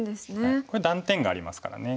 これ断点がありますからね。